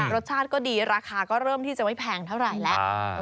รสชาติก็ดีราคาก็เริ่มที่จะไม่แพงเท่าไหร่แล้ว